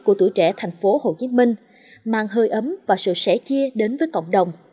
của tuổi trẻ thành phố hồ chí minh mang hơi ấm và sự sẻ chia đến với cộng đồng